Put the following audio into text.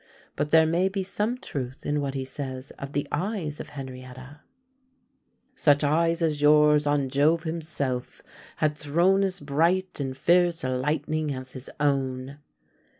But there may be some truth in what he says of the eyes of Henrietta: Such eyes as yours, on Jove himself, had thrown As bright and fierce a lightning as his own.